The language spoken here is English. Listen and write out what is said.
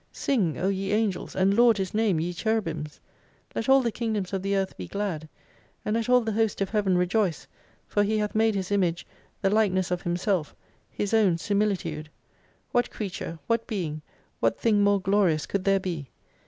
Sing, O ye Angels, and laud His name, ye Cherubims : Let all the Kingdoms of the Earth be glad, and let all the Host of Heaven rejoice for He hath made His Image, the likeness of Himself, His own simihtude. What creature, what being, what thing more glorious could there be